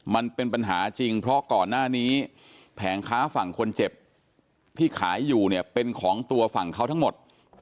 มันเป็นปัญหาจริงเพราะก่อนหน้านี้แผงค้าฝั่งคนเจ็บที่ขายอยู่เนี่ยเป็นของตัวฝั่งเขาทั้งหมด